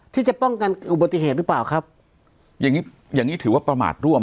ที่จะป้องกันอุบัติเหตุหรือเปล่าครับอย่างงี้อย่างงี้ถือว่าประมาทร่วม